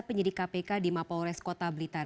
penyidik kpk di mapolres kota blitar